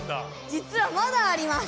じつはまだあります。